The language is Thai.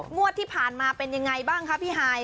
งวดที่ผ่านมาเป็นยังไงบ้างคะพี่ฮาย